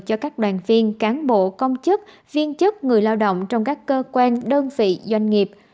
cho các đoàn viên cán bộ công chức viên chức người lao động trong các cơ quan đơn vị doanh nghiệp